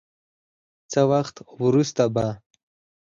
څه وخت وروسته به